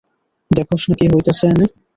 দেখস না কি হইতাসে এনে?